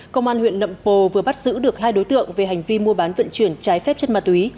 công an huyện nậm pồ vừa bắt giữ được hai đối tượng về hành vi mua bán vận chuyển trái phép chất ma túy